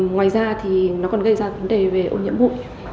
ngoài ra thì nó còn gây ra vấn đề về ô nhiễm bụi